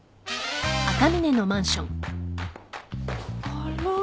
あら？